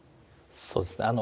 そうですね